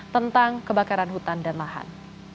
tentang kebakaran hutan dan lahan